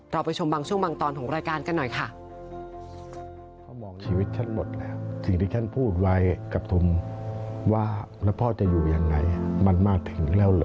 ไปชมบางช่วงบางตอนของรายการกันหน่อยค่ะ